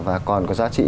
và còn có giá trị